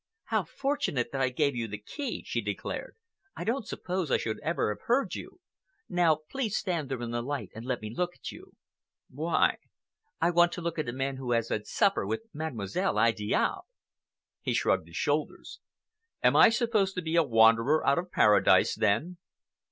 "How fortunate that I gave you the key!" she declared. "I don't suppose I should ever have heard you. Now please stand there in the light and let me look at you." "Why?" "I want to look at a man who has had supper with Mademoiselle Idiale." He shrugged his shoulders. "Am I supposed to be a wanderer out of Paradise, then?"